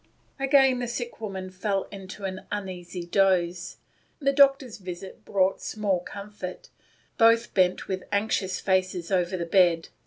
The sick woman fell into an uneasy doze after that The doctors 9 visit brought small comfort. Both bent with anxious faces over the bed.